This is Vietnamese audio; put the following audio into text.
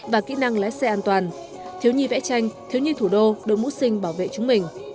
và kỹ năng lái xe an toàn thiếu nhi vẽ tranh thiếu nhi thủ đô đội mũ sinh bảo vệ chúng mình